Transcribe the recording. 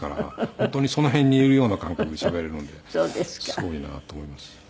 本当にその辺にいるような感覚でしゃべれるのですごいなと思います。